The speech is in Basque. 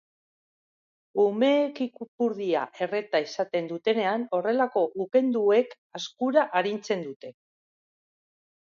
Umeek ipurdia erreta izaten dutenean horrelako ukenduek azkura arintzen dute.